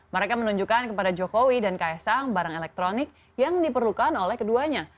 mereka menunjukkan kepada jokowi dan kaesang barang elektronik yang diperlukan oleh keduanya